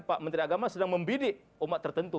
pak menteri agama sedang membidik umat tertentu